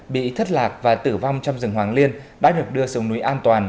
bị thất lạc và tử vong trong rừng hoàng liên đã được đưa xuống núi an toàn